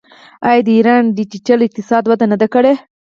آیا د ایران ډیجیټل اقتصاد وده نه ده کړې؟